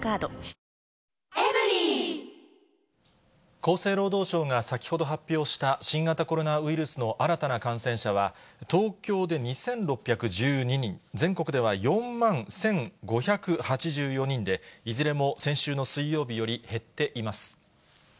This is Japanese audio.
厚生労働省が先ほど発表した、新型コロナウイルスの新たな感染者は、東京で２６１２人、全国では４万１５８４人で、いずれも先週の水曜日より減っています。